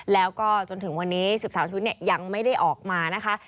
แล้วก็จนถึงวันนี้๑๓ชุดยังไม่ได้ออกมานะคะ